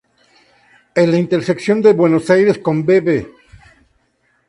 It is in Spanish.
En la intersección de Buenos Aires con Bv.